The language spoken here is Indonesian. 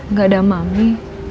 nggak ada mami